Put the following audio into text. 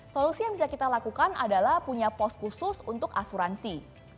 solusi yang bisa kita lakukan adalah punya pos khusus untuk asuransi